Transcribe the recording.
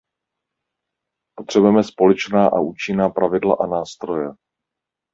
Potřebujeme společná a účinná pravidla a nástroje.